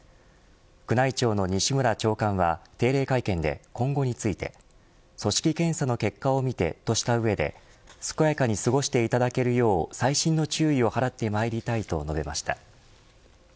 宮内庁の西村長官は定例会見で今後について、組織検査の結果を見て、とした上で健やかに過ごしていただけるよう細心の注意を払ってまいりたいと述べました。